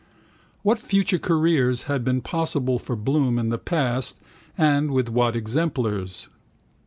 What future careers had been possible for Bloom in the past and with what exemplars?